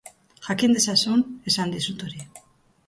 Jakin dezazun esan dizut hori.